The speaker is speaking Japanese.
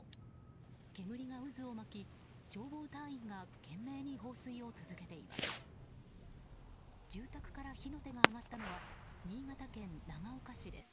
煙が渦を巻き、消防隊員が懸命に放水を続けています。